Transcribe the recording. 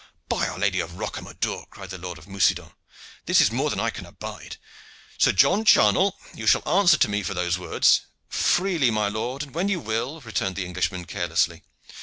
"By our Lady of Rocamadour!" cried the Lord of Mucident, "this is more than I can abide. Sir John Charnell, you shall answer to me for those words!" "Freely, my lord, and when you will," returned the Englishman carelessly.